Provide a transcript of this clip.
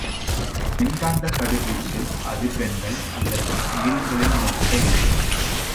மின் காந்தக் கதிர்வீச்சின் அதிர்வெண்கள் அல்லது நீளங்களின் மொத்த எல்லை.